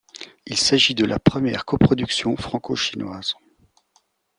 Il s'agit de la première coproduction franco-chinoise.